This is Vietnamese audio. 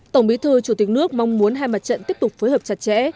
tổng bí thư chủ tịch nước mong muốn hai mặt trận tiếp tục phối hợp chặt chẽ